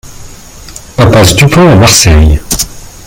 Impasse Dupont à Marseille